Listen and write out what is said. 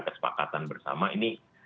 kesepakatan bersama ini